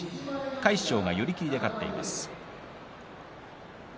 魁勝が寄り切りで勝っています。